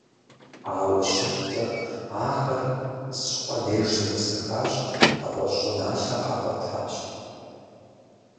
Ауэ щыхъукӀэ, ахэр зыщӀыпӀэ деж щетӀысэхащ, нэгъуэщӀ щӀыналъэ къагъуэтащ.